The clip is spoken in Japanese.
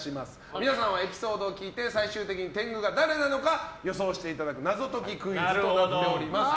皆さんはそのエピソードを聞いて最終的に天狗が誰なのかを予想していただく謎解きクイズとなっております。